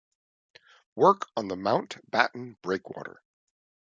Work on the Mount Batten Breakwater.